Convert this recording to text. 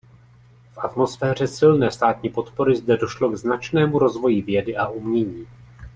V atmosféře silné státní podpory zde došlo k značnému rozvoji vědy a umění.